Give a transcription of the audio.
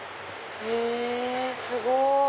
へぇすごい！